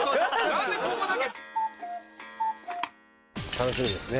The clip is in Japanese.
楽しみですね。